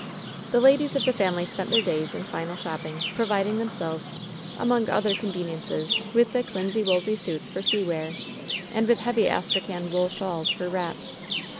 The ladies of the family spent their days in final shop ping, providing themselves, among other conveniences, with thick linsey woolsey suits for sea wear, and with heavy Astrakhan wool shawls for wraps.